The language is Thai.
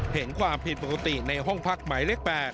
เห็นความผิดปกติในห้องพักหมายเลข๘